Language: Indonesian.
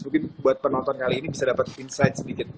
mungkin buat penonton kali ini bisa dapat insight sedikit